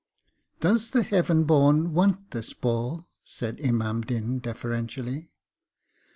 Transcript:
'Does the Heaven born want this ball?' said Imam Din deferentially.